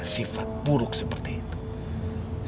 sifat buruk seperti itu